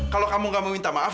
kalau kamu gak mau minta maaf